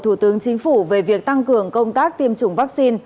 thủ tướng chính phủ về việc tăng cường công tác tiêm chủng vaccine